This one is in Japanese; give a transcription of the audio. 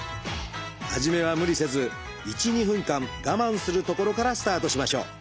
初めは無理せず１２分間我慢するところからスタートしましょう。